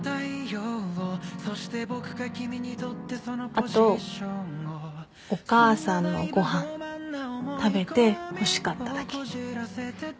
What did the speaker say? あとお母さんのご飯食べてほしかっただけ。